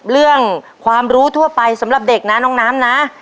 เรื่องความรู้ทั่วไปสำหรับเด็กนะน้องน้ำนะ